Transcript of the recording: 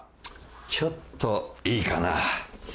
ちょっといいかな。